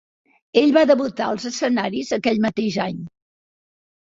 Ell va debutar als escenaris aquell mateix any.